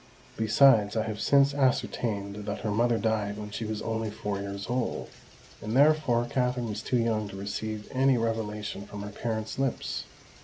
Besides, I have since ascertained that her mother died when she was only four years old; and therefore Katherine was too young to receive any revelation from her parent's lips.